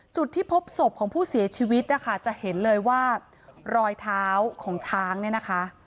จุดที่พบศพของผู้เสียชีวิตนะคะจะเห็นเลยว่ารอยเท้าของช้างเนี่ยนะคะ